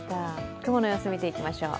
雲の様子を見ていきましょう。